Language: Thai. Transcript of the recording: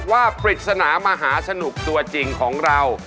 ปริศนามหาสนุกตัวจริงของเรา